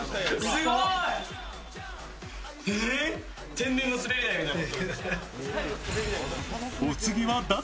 天然の滑り台みたいな。